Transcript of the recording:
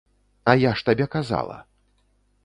А я ж табе казала.